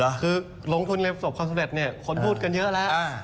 คือลงทุนในประสบความสำเร็จเนี่ยคนพูดกันเยอะแล้ว